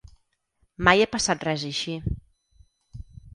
Mai ha passat res així.